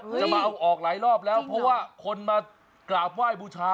จะมาเอาออกหลายรอบแล้วเพราะว่าคนมากราบไหว้บูชา